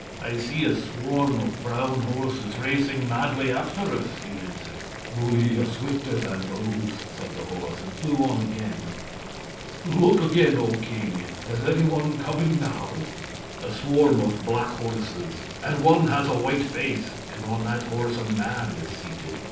'I see a swarm of brown horses racing madly after us,' he answered. 'We are swifter than those,' said the horse, and flew on again. 'Look again, O king! Is anyone coming now?' 'A swarm of black horses, and one has a white face, and on that horse a man is seated.